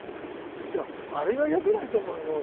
でもあれが良くないと思うよ俺。